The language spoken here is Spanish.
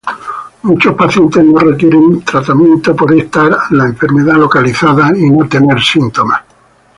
Muchos pacientes no requieren tratamiento por estar la enfermedad localizada y no tener síntomas.